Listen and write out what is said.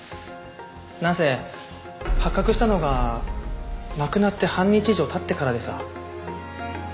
なんせ発覚したのが亡くなって半日以上経ってからでさ。